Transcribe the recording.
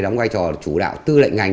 đóng vai trò chủ đạo tư lệnh ngành